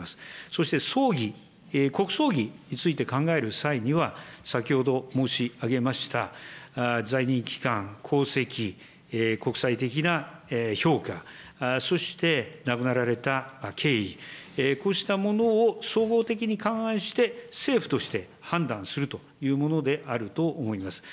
そして葬儀、国葬儀について考える際には、先ほど申し上げました在任期間、功績、国際的な評価、そして亡くなられた経緯、こうしたものを総合的に勘案して、政府として判断するというものであると思います。